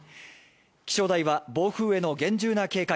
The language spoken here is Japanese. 気象台は暴風への厳重な警戒